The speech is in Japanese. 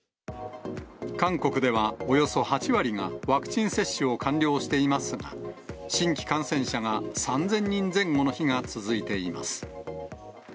韓国では、およそ８割がワクチン接種を完了していますが、新規感染者が３０００人前後の日が続いています。